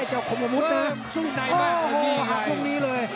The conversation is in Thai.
หาพวกนี้เลย